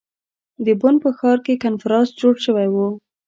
د بن په ښار کې کنفرانس جوړ شوی ؤ.